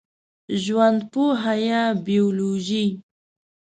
ژوندپوهه یا بېولوژي